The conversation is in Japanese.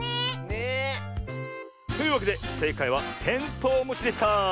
ねえ。というわけでせいかいはテントウムシでした。